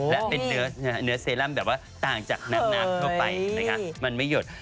และเป็นเนื้อเซรั่มแบบว่าต่างจากน้ำทั่วไปนะคะมันไม่หยด